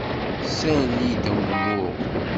Ssali-d umuɣ.